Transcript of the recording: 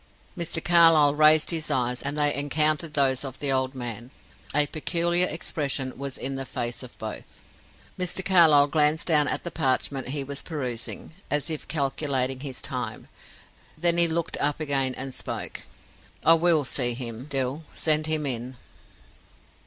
Mr. Carlyle raised his eyes, and they encountered those of the old man; a peculiar expression was in the face of both. Mr. Carlyle glanced down at the parchment he was perusing, as if calculating his time. Then he looked up again and spoke. "I will see him, Dill. Send him in."